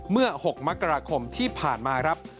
เมื่อ๖มกราคมที่ผ่านมาครับ